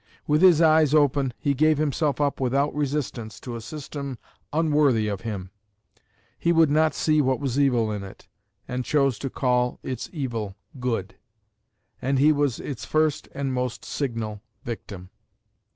With his eyes open he gave himself up without resistance to a system unworthy of him; he would not see what was evil in it, and chose to call its evil good; and he was its first and most signal victim.